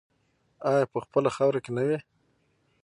آیا په خپله خاوره کې نه وي؟